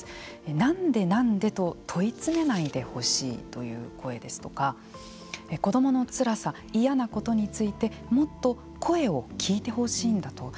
なんでなんでと問い詰めないでほしいという声ですとか子どものつらさ嫌なことについてもっと声を聞いてほしいんだと。